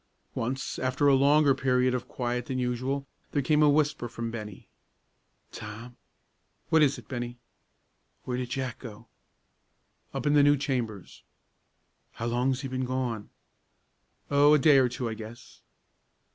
Once, after a longer period of quiet than usual, there came a whisper from Bennie. "Tom!" "What is it, Bennie?" "Where did Jack go?" "Up in the new chambers." "How long's he been gone?" "Oh, a day or two, I guess."